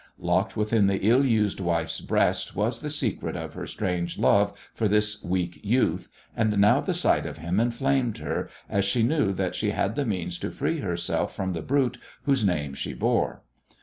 Locked within the ill used wife's breast was the secret of her strange love for this weak youth, and now the sight of him inflamed her, as she knew that she had the means to free herself from the brute whose name she bore.